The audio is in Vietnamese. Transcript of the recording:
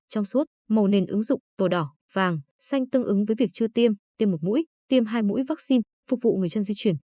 trong suốt màu nền ứng dụng màu đỏ vàng xanh tương ứng với việc chưa tiêm tiêm một mũi tiêm hai mũi vaccine phục vụ người dân di chuyển